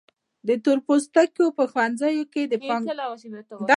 د تور پوستو په ښوونځیو کې د پانګونې مخه ونیوله.